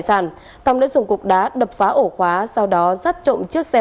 về đối tượng khẳng nghi